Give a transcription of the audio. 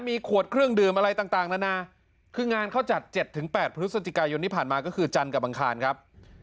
มีขวดเครื่องดื่มอะไรต่างนานาคืองานเขาจัด๗๘พฤศจิกายนที่ผ่านมาก็คือจันทร์กับอังคารครับ